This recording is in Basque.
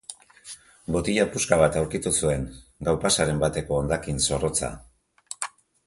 Botila puska bat aurkitu zuen, gau-pasaren bateko hondakin zorrotza.